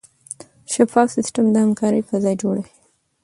شفاف سیستم د همکارۍ فضا جوړوي.